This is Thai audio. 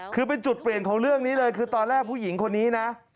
คือเป็นจุดเปลี่ยนของเรื่องนี้เลยคือตอนแรกผู้หญิงคนนี้นะ